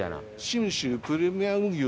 信州プレミアム牛？